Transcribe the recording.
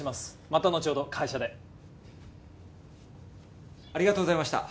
またのちほど会社でありがとうございました